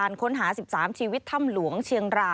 สวัสดีค่ะสวัสดีค่ะ